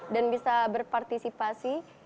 dan bisa berpartisipasi